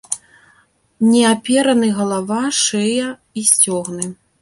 Не апераны галава, шыя і сцёгны.